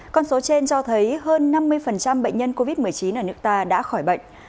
con số trên cho thấy hơn năm mươi bệnh nhân covid một mươi chín ở nước ta đã khỏi bệnh